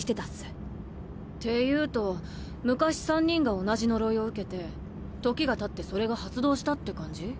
っていうと昔三人が同じ呪いを受けて時がたってそれが発動したって感じ？